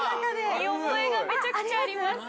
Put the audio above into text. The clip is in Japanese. ◆見覚えがめちゃくちゃあります。